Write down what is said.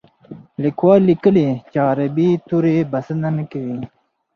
لیکوال لیکلي چې عربي توري بسنه نه کوي.